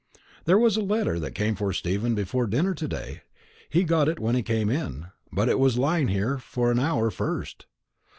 "There was a letter that came for Stephen before dinner to day; he got it when he came in, but it was lying here for an hour first.